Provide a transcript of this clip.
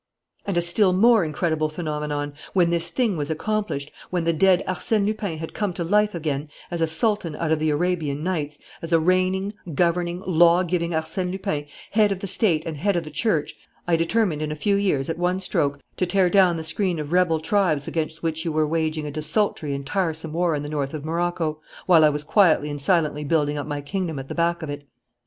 "And a still more incredible phenomenon: when this thing was accomplished, when the dead Arsène Lupin had come to life again as a sultan out of the Arabian Nights, as a reigning, governing, law giving Arsène Lupin, head of the state and head of the church, I determined, in a few years, at one stroke, to tear down the screen of rebel tribes against which you were waging a desultory and tiresome war in the north of Morocco, while I was quietly and silently building up my kingdom at the back of it.